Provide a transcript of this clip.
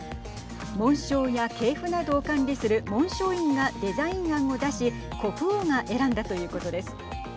紋章や系譜などを管理する紋章院がデザイン案を出し国王が選んだということです。